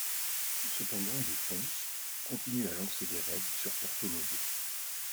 Cependant, les Fons continuent à lancer des raids sur Porto-Novo.